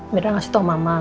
mirna ngasih tau mama